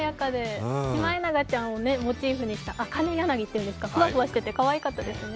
シマエナガちゃんをモチーフにしたアカメヤナギですか、ふわふわしていてかわいかったですね。